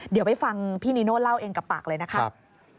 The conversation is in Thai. เดี๋ยวไปฟังพี่นีโน่เล่าเองกับปากเลยนะครับ